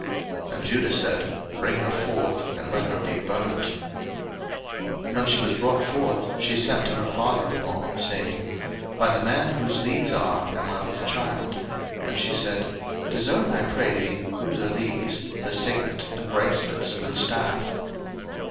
And Judah said, Bring her forth, and let her be burnt. 01:038:025 When she was brought forth, she sent to her father in law, saying, By the man, whose these are, am I with child: and she said, Discern, I pray thee, whose are these, the signet, and bracelets, and staff.